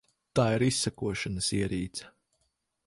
Tā ir izsekošanas ierīce.